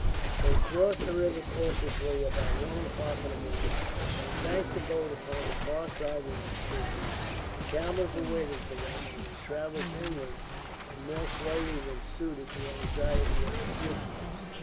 They crossed the river cautiously about one o'clock of the morning, and sank the boat upon the far side of the stream. The camels were waiting for them, and they travelled inland and more slowly than suited the anxiety of the fugitives.